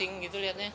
pusing gitu liatnya